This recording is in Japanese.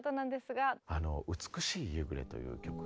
「美しい夕暮れ」という曲を。